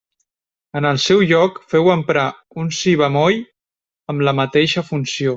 En el seu lloc feu emprar un si bemoll amb la mateixa funció.